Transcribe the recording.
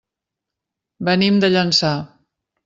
Venim de Llançà.